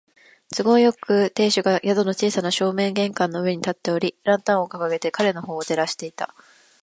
都合よく、亭主が宿の小さな正面階段の上に立っており、ランタンをかかげて彼のほうを照らしていた。